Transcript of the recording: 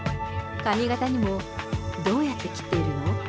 髪形にもどうやって切っているの？